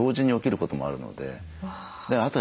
あと